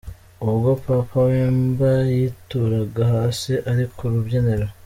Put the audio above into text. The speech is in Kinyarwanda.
Ubwo Papa Wemba yituraga hasi ari kurubyiniro